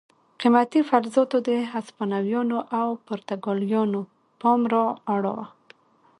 قیمتي فلزاتو د هسپانویانو او پرتګالیانو پام را اړاوه.